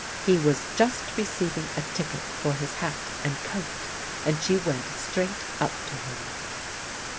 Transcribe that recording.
He was just receiving a ticket for his hat and coat, and she went straight up to him.